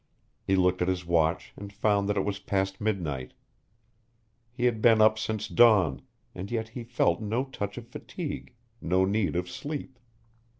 He looked at his watch and found that it was past midnight. He had been up since dawn, and yet he felt no touch of fatigue, no need of sleep.